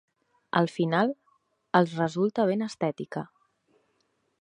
Al final, els resulta ben estètica.